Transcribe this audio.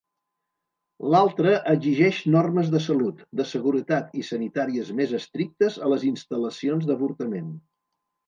L'altra exigeix normes de salut, de seguretat i sanitàries més estrictes a les instal·lacions d'avortament.